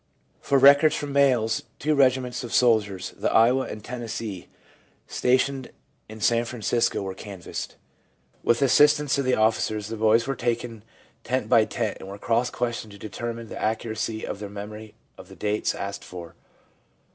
For records from males, two regiments of soldiers, the Iowa and Tennessee, SOURCES FOR THE STUDY OF CONVERSION 27 stationed in San Francisco, were canvassed. With the assistance of the officers, the boys were taken tent by tent, and were cross questioned to determine the accuracy of their memory of the dates asked for.